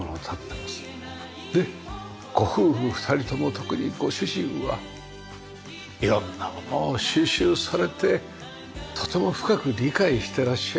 でご夫婦二人とも特にご主人は色んな物を収集されてとても深く理解してらっしゃいます。